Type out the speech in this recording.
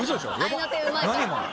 合いの手うまいから。